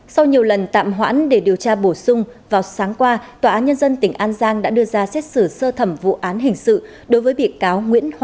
sau nhiều lần tạm hoãn để điều tra bổ sung vào sáng qua tòa án nhân dân tỉnh an giang đã đưa ra xét xử sơ thẩm vụ án hình sự đối với bị cáo nguyễn thị doãn hải